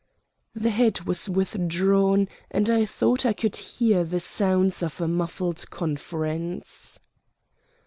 The head was withdrawn and I thought I could hear the sounds of a muffled conference.